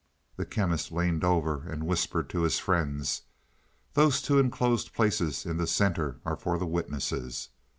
The Chemist leaned over and whispered to his friends: "Those two enclosed places in the center are for the witnesses.